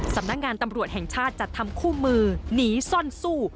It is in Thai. สำนักงานตำรวจแห่งชาติจัดทำคู่มือหนีซ่อนสู้